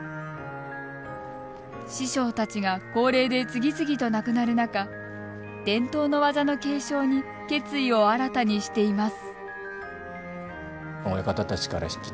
師匠たちが高齢で次々と亡くなる中伝統の技の継承に決意を新たにしています。